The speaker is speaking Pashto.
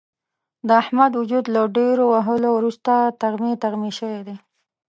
د احمد وجود له ډېرو وهلو ورسته تغمې تغمې شوی دی.